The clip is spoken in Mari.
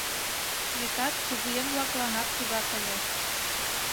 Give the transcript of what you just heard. Векат, кугыеҥ-влакланат тугак ыле.